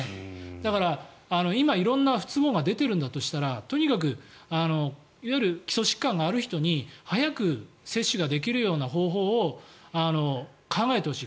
だから、今、色んな不都合が出ているんだとしたらとにかくいわゆる基礎疾患がある人に早く接種ができるような方法を考えてほしい。